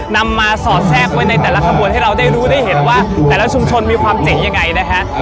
นำมาสอดแทรกไว้ในแต่ละขบวนให้เราได้รู้ได้เห็นว่าแต่ละชุมชนมีความเจ๋ยังไงนะฮะ